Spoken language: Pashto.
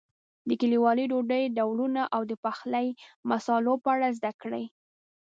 د کلیوالي ډوډۍ ډولونو او د پخلي مسالو په اړه زده کړئ.